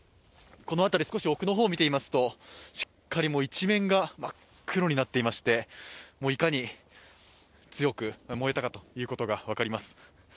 この辺り、少し奥の方を見てみますと、しっかりと一面が真っ黒になっていましていかに強く燃えたかということが分かります。